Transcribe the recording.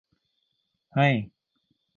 เห้ย